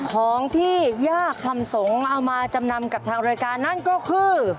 ของที่ย่าคำสงฆ์เอามาจำนำกับทางรายการนั่นก็คือ